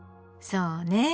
そうね。